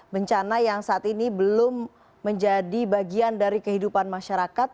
bencana yang saat ini belum menjadi bagian dari kehidupan masyarakat